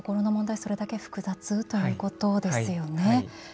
それだけ複雑ということですよね。